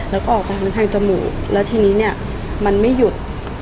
แล้วก็ออกมาทางจมูกแล้วทีนี้เนี่ยมันไม่หยุด